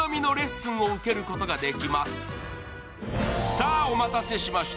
さぁ、お待たせしました。